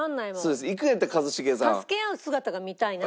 助け合う姿が見たいな。